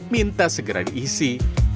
minta segera diisi